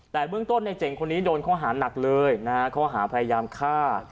แต่เบื้องต้นในเจ็งคนนี้โดนเขาหาหนักเลยนะครับเขาหาพยายามฆ่า